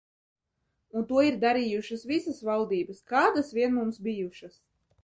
Un to ir darījušas visas valdības, kādas vien mums bijušas.